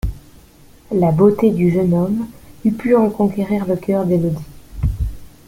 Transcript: La beauté du jeune homme eût pu reconquérir le cœur d'Élodie.